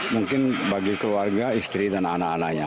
mungkin bagi keluarga istri dan anak anaknya